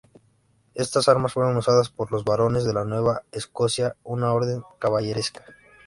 Estas armas fueron usadas por los Barones de la Nueva Escocia, una orden caballeresca.